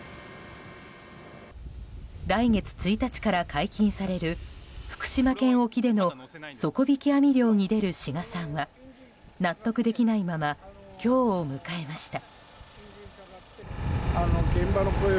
来月１日から解禁される福島県沖での底引き網漁に出る志賀さんは納得できないまま今日を迎えました。